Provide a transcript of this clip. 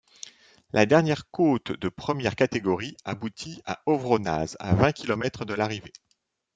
La dernière côte de première catégorie aboutit à Ovronnaz, à vingt kilomètres de l'arrivée.